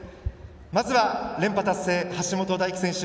まずは連覇達成の橋本大輝選手